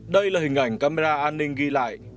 đây là hình ảnh camera an ninh ghi lại